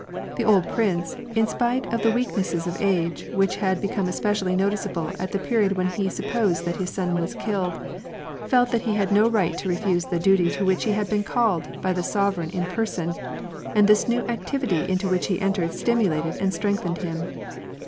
The old prince, in spite of the weaknesses of age, which had become especially noticeable at the period when he supposed that his son was killed, felt that he had no right to refuse the duty to which he had been called by the sove^ eign in person, and this new activity into which he entered stimulated and strengthened him.